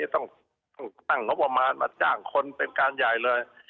ต้องตั้งงบประมาณมาจ้างคนเป็นการใหญ่เลย